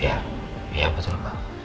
ya ya betul pak